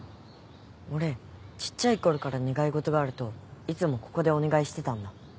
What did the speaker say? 俺小っちゃい頃から願い事があるといつもここでお願いしてたんだ。